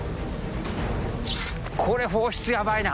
これ放出ヤバいな。